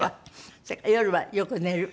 それから夜はよく寝る？